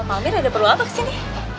pak amir ada perlu apa kesini